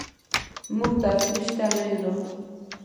موږ تفتیش ته نه یو راغلي.